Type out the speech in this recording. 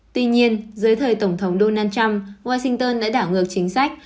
tuy nhiên dưới thời tổng thống donald trump washington đã đảo ngược chính sách